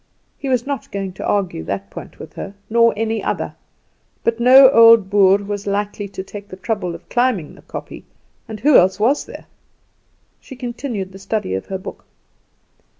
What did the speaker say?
He was not going to argue that point with her, nor any other; but no old Boer was likely to take the trouble of climbing the kopje, and who else was there? She continued the study of her book.